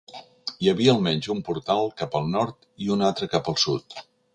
Hi havia almenys un portal cap al nord i un altre cap al sud.